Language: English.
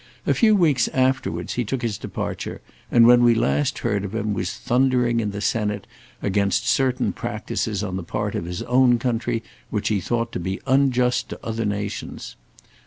A few weeks afterwards he took his departure, and when we last heard of him was thundering in the Senate against certain practices on the part of his own country which he thought to be unjust to other nations.